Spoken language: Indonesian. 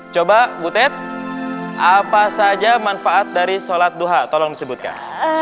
coba bu tet apa saja manfaat dari sholat duha tolong disebutkan